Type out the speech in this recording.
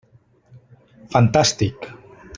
Fantàstic!